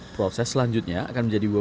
proses selanjutnya akan menjadi worl